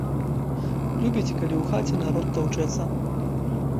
Любіць, калі ў хаце народ таўчэцца.